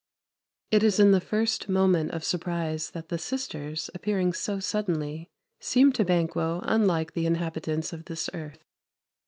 It is in the first moment of surprise that the sisters, appearing so suddenly, seem to Banquo unlike the inhabitants of this earth.